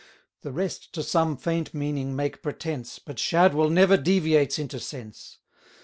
The rest to some faint meaning make pretence, But Shadwell never deviates into sense.